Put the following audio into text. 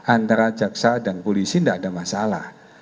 antara jaksa dan polisi tidak ada masalah